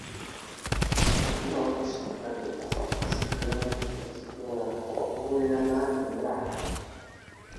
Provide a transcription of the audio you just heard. Of note are the artefacts belonging to explorer William Landsborough.